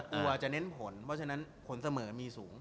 กลัวจะเน้นผลเพราะฉะนั้นผลเสมอมีสูง